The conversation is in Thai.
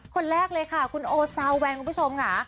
คนแรกเลยค่ะคุณโอซาแวงคุณผู้ชมค่ะ